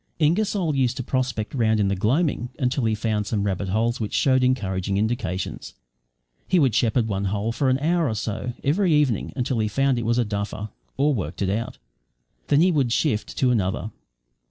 Ingersoll used to prospect round in the gloaming until he found some rabbit holes which showed encouraging indications. He would shepherd one hole for an hour or so every evening until he found it was a duffer, or worked it out; then he would shift to another.